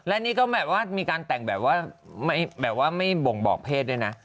และนี่ก็แบบว่ามีการแต่งแบบว่าแบบว่าไม่บ่งบอกเพศด้วยนะ